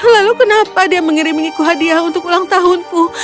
lalu kenapa dia mengirimi iku hadiah untuk ulang tahunku